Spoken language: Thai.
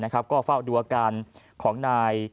ก็เฝ้าดูอาการของนาย